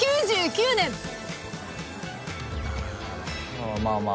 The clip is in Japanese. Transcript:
まあまあまあ。